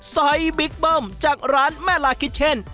ไซส์บิ๊กเบิ้มจากร้านแม่ลาคิชเช่น